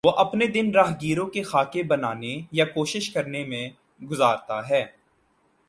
وہ اپنے دن راہگیروں کے خاکے بنانے یا کوشش کرنے میں گزارتا ہے